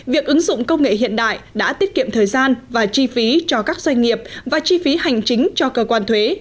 việc ứng dụng công nghệ hiện đại đã tiết kiệm thời gian và chi phí cho các doanh nghiệp và chi phí hành chính cho cơ quan thuế